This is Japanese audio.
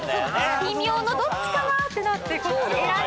「微妙」のどっちかなってなってこっち選んじゃった。